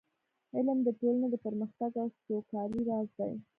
علم د ټولنې د پرمختګ او سوکالۍ راز دی.